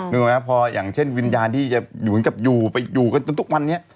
นึกออกไหมครับอย่างเช่นวิญญาณที่อยู่เหมือนกับอยู่ไปอยู่จนทุกวันเนี้ย